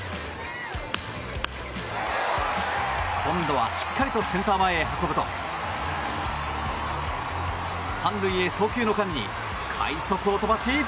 今度はしっかりとセンター前へ運ぶと３塁へ送球の間に快足を飛ばし